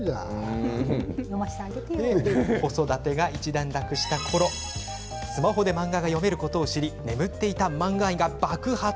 子育てが一段落したころスマホで漫画が読めることを知り眠っていた漫画愛が爆発。